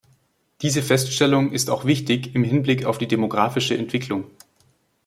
Diese Feststellung ist auch wichtig im Hinblick auf die demografische Entwicklung.